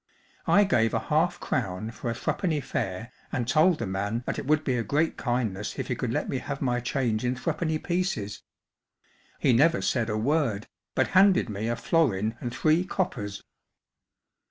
I gave a half crown for a threepenny fare, and told the man that it would be a great kindness if tie could let me have my change in threepenny pieces. He never said a word but handed me a florin and three coppers.